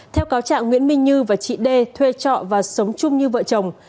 theo cáo trạng nguyễn minh như và chị đê thuê trọ và sống chung như vợ chồng